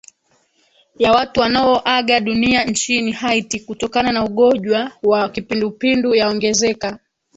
ya watu wanaoaga dunia nchini haiti kutokana na ugojwa wa kipindupindu yaongezeka